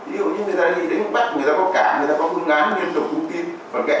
ví dụ như người ta đi đến bắc người ta có cả người ta có phương án nguyên tục phương tiện